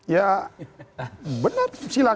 ya benar silahkan